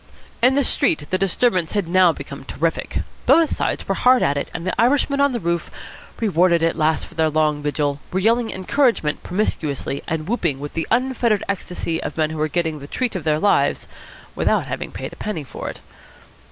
In the street the disturbance had now become terrific. Both sides were hard at it, and the Irishmen on the roof, rewarded at last for their long vigil, were yelling encouragement promiscuously and whooping with the unfettered ecstasy of men who are getting the treat of their lives without having paid a penny for it.